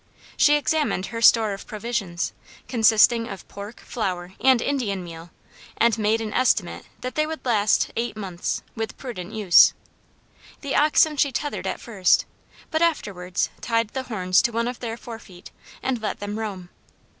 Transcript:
She examined her store of provisions, consisting of pork, flour, and Indian meal, and made an estimate that they would last eight months, with prudent use. The oxen she tethered at first, but afterwards tied the horns to one of their fore feet, and let them roam.